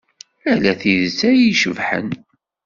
Ala tidet ay icebḥen.